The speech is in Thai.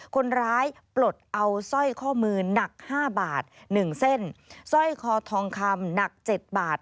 คนร้ายปลดเอาสร้อยข้อมือหนักห้าบาทหนึ่งเส้นสร้อยคอทองคำหนักเจ็ดบาท